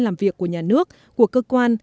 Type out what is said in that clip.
làm việc của nhà nước của cơ quan